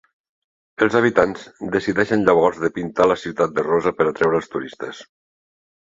Els habitants decideixen llavors de pintar la ciutat de rosa per atreure els turistes.